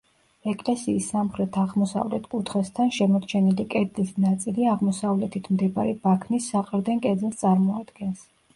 ეკლესიის სამხრეთ-აღმოსავლეთ კუთხესთან შემორჩენილი კედლის ნაწილი აღმოსავლეთით მდებარე ბაქნის საყრდენ კედელს წარმოადგენს.